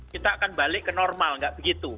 kita akan balik ke normal nggak begitu